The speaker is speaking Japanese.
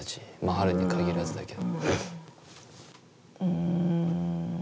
春音に限らずだけど。